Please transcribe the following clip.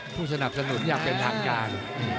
ผู้สนับสนุนอย่างเป็นทางการ